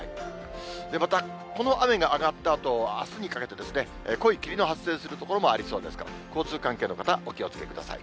また、この雨が上がったあと、あすにかけて、濃い霧の発生する所もありそうですから、交通関係の方、お気をつけください。